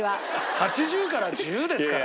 ８０から１０ですから。